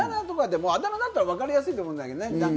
あだ名だったらわかりやすいと思うんだけどね。